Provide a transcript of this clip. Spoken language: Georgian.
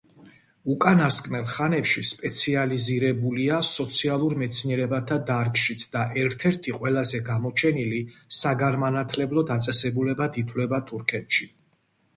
უკანასკნელ ხანებში სპეციალიზირებულია სოციალურ მეცნიერებათა დარგშიც და ერთ-ერთი ყველაზე გამოჩენილი საგანმანათლებლო დაწესებულებად ითვლება თურქეთში.